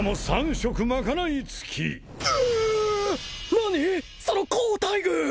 何その好待遇！